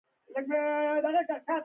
موټر ژوند اسان کړی دی.